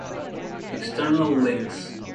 External Links